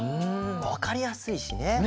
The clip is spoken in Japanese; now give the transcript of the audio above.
わかりやすいしね。